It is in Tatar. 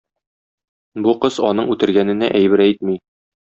Бу кыз аның үтергәненә әйбер әйтми.